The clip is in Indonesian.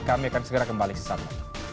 kami akan segera kembali sesama